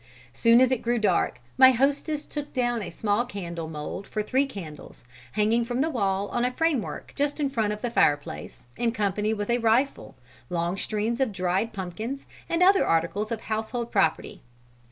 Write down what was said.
Soon as it grew dark my hostess took down a small candle mould for three candles, hanging from the wall on a frame work just in front of the fire place, in company with a rifle, long strings of dried pumpkins and other articles of household property.